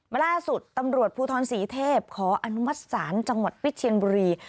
ล่าสุดตำรวจภูทรศรีเทพขออนุมัติศาลจังหวัดพิเชียนบุรี